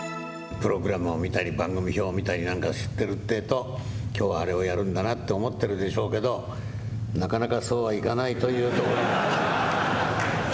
プログラムを見たり、番組表を見たりなんかしてるってえと、きょうはあれをやるんだなって思ってるんでしょうけど、なかなかそうはいかないという。